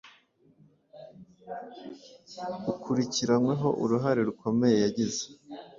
ukurikiranyweho uruhare rukomeye yagize